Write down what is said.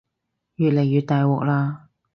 越嚟越大鑊喇